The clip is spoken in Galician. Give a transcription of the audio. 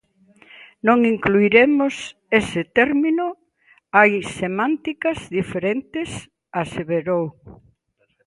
Non incluiremos ese término, hai semánticas diferentes, aseverou.